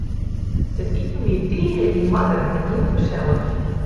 It iten wie tige yn oarder en heel gesellich.